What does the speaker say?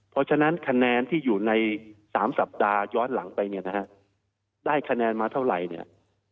เพราะฉะนั้นคะแนนที่อยู่ใน๓สัปดาห์ย้อนหลังไปเนี่ยนะฮะได้คะแนนมาเท่าไหร่เนี่ย